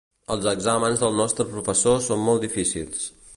Els exàmens del nostre professor són molt difícils.